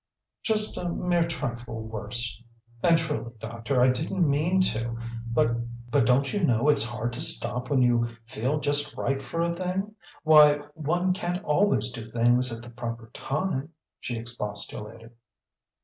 "Just a mere trifle worse. And truly, doctor I didn't mean to. But don't you know it's hard to stop when you feel just right for a thing? Why, one can't always do things at the proper time," she expostulated.